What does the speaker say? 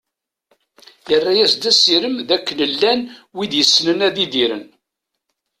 Yerra-as-d asirem d akken llan wid yessnen ad idiren.